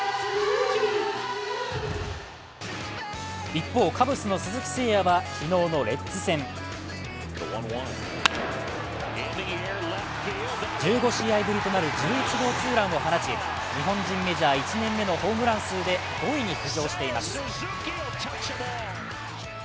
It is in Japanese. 一方、カブスの鈴木誠也は昨日のレッズ戦１５試合ぶりとなる１１号ツーランを放ち日本人メジャー１年目のホームラン数で５位に浮上しています。